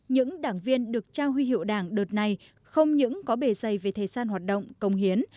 những đảng viên được trao huy hiệu đảng đợt này không những có bề dày về thời gian hoạt động công hiến